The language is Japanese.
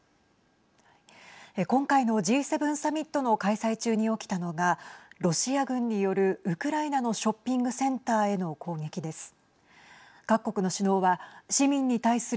今回のＧ７サミットの開催中に起きたのがロシア軍によるウクライナのショッピングセンターへの攻撃です。